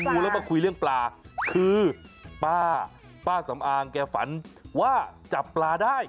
งูแล้วมาคุยเรื่องปลาคือป้าป้าสำอางแกฝันว่าจับปลาได้